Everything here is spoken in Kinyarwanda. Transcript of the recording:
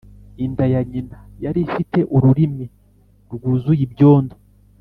'inda ya nyina yari ifite ururimi rwuzuye ibyondo.'